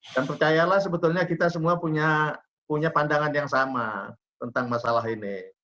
dan percayalah sebetulnya kita semua punya pandangan yang sama tentang masalah ini